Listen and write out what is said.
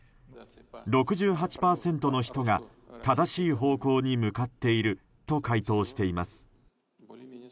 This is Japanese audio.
６８％の人が正しい方向に向かっていると回答しています。